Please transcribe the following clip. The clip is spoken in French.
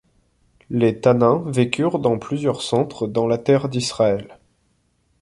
Les Tannaim vécurent dans plusieurs centres dans la terre d'Israël.